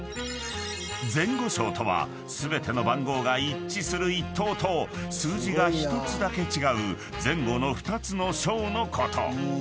［前後賞とは全ての番号が一致する１等と数字が１つだけ違う前後の２つの賞のこと］